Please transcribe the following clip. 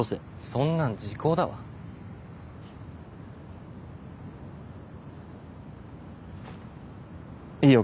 そんなん時効だわいいよ